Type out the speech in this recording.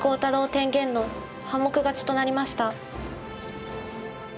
天元の半目勝ちとなりました。